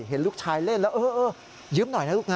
เห็นลูกชายเล่นแล้วเออยืมหน่อยนะลูกนะ